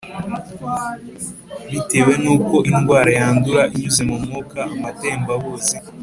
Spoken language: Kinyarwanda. bitewe n’ uko indwara yandura inyuze mu mwuka, amatembabuzi…